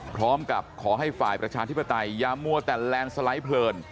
พร้อมกับขอให้ฝ่ายประชาธิปไตยอย่ามัวแต่แลนด์สไลด์เพลิน